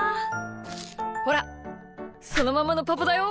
ほらそのままのパパだよ。